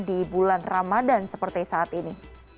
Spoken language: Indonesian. di bulan ramadan seperti saat ini